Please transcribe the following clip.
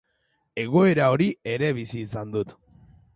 Egoera hori ere bizi izan dut.